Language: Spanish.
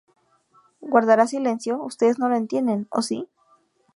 ¿ Guardarás silencio? ¿ ustedes no lo entienden, o si?